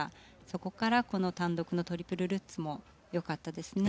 そこからこの単独のトリプルルッツも良かったですね。